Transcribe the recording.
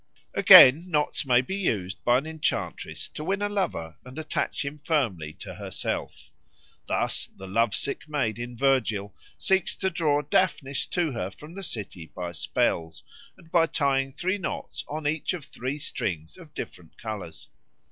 Again knots may be used by an enchantress to win a lover and attach him firmly to herself. Thus the love sick maid in Virgil seeks to draw Daphnis to her from the city by spells and by tying three knots on each of three strings of different colours.